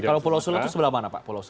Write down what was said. kalau pulau sula itu sebelah mana pak